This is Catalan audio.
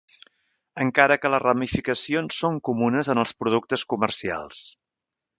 Encara que les ramificacions són comunes en els productes comercials.